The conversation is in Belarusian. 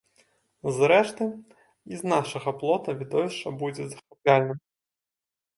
Зрэшты, і з нашага плота відовішча будзе захапляльным.